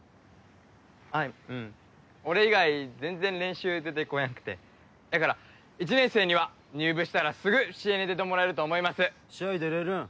はいうん俺以外全然練習出てこやんくてだから１年生には入部したらすぐ試合に出てもらえると思います試合出れるん？